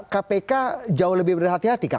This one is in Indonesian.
kpk jauh lebih berhati hati kan